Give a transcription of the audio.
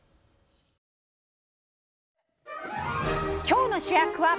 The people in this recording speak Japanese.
今日の主役は。